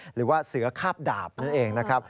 หรือว่าเสือคาบดาบนั่นเองนะครับ